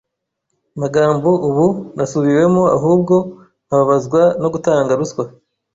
magambo, ubu nasubiwemo, ahubwo nkababazwa no gutanga ruswa.